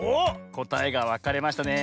こたえがわかれましたね。